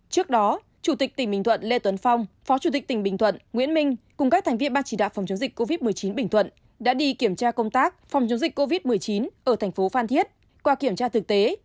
trước đó chủ tịch tỉnh bình thuận lê tuấn phong phó chủ tịch tỉnh bình thuận nguyễn minh cùng các thành viên ban chỉ đạo phòng chống dịch covid một mươi chín bình thuận đã đi kiểm tra công tác phòng chống dịch covid một mươi chín ở thành phố phan thiết qua kiểm tra thực tế